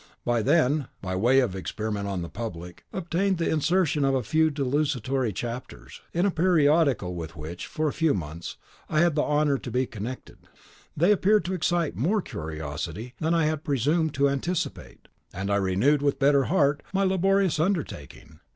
I then, by way of experiment on the public, obtained the insertion of a few desultory chapters, in a periodical with which, for a few months, I had the honour to be connected. They appeared to excite more curiosity than I had presumed to anticipate; and I renewed, with better heart, my laborious undertaking.